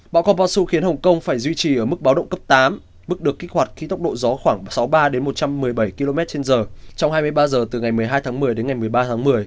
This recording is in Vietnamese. bão kom posu khiến hồng kông phải duy trì ở mức báo động cấp tám mức được kích hoạt khi tốc độ gió khoảng sáu mươi ba một trăm một mươi bảy km trên giờ trong hai mươi ba h từ ngày một mươi hai tháng một mươi đến ngày một mươi ba tháng một mươi